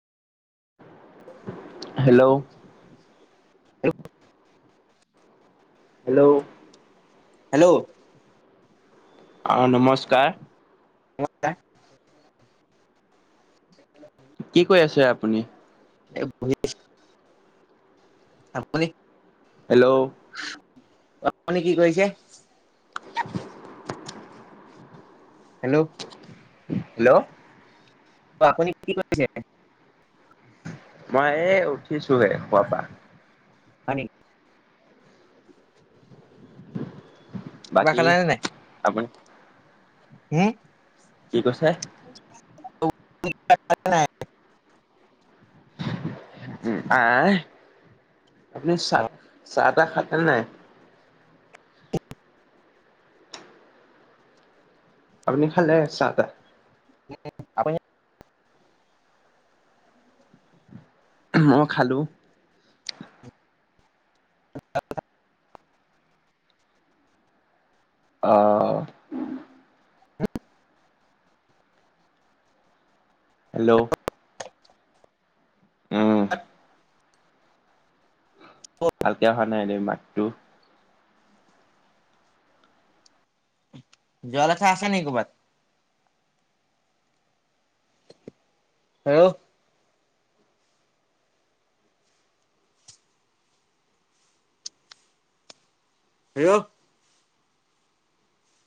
Hello. [inaudible] Hello hello. অঁ নমস্কাৰ। নমস্কাৰ। কি কৰি আছে আপুনি? এ বহি আছো। আপুনি? হেল্ল'। আপুনি কি কৰিছে? [inaudible] হেল্ল'! হেল্ল'! অ আপুনি কি কৰিছে? মই এই উঠিছোহে শুৱা পৰা হয় নেকি কিবা বাকী খালে নে নাই আপনি? হুম? কি কৈছে? নাই উম আহ আপুনি অ চাহ চাহ তাহ খালে নাই? আপুনি খালে চাহ তাহ? আপুনি মই খালো। অহ হেল্ল'! উম ভালকে অহা নাই দেই মাতটো। যোৱাৰ কথা আছে নি ক'ৰবাত? হেল্ল! হেল্ল!